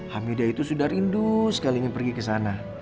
hamidah itu sudah rindu sekali ingin pergi ke sana